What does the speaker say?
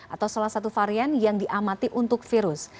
atau salah satu varian yang diamati untuk virus